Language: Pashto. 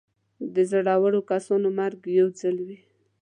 د زړور کسانو مرګ یو ځل وي.